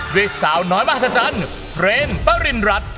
ด้วยสาวน้อยมหัฒนธรรมเฟรนปริ้นรัฐ